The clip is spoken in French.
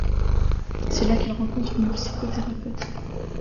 C'est là qu'il rencontre une psychothérapeute.